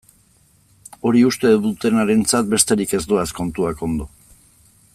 Hori uste dutenarentzat besterik ez doaz kontuak ondo.